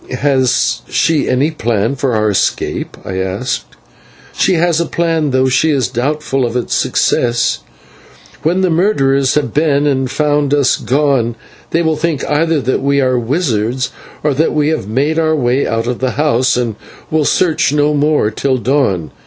"Has she any plan for our escape?" I asked. "She has a plan, though she is doubtful of its success. When the murderers have been, and found us gone, they will think either that we are wizards or that we have made our way out of the house, and will search no more till dawn.